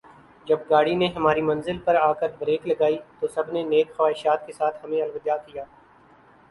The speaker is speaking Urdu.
جب گاڑی نے ہماری منزل پر آ کر بریک لگائی تو سب نے نیک خواہشات کے ساتھ ہمیں الوداع کیا